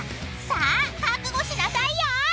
さあ覚悟しなさいよ！］